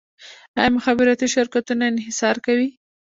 آیا مخابراتي شرکتونه انحصار کوي؟